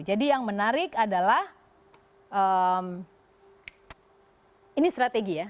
jadi yang menarik adalah ini strategi ya